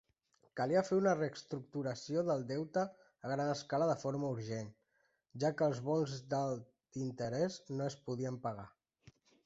Calia fer una reestructuració del deute a gran escala de forma urgent, ja què els bons d"alt interès no es podien pagar.